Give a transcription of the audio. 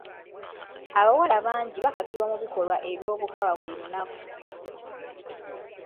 Abawala bangi bakakibwa mu bikolwa by'obukaba buli lunaku.